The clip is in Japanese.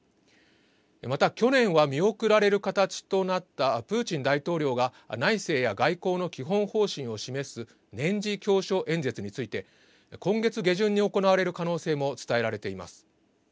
また去年は見送られる形となったプーチン大統領が内政や外交の基本方針を示す年次教書演説について今月下旬に行われる可能性も伝えられています。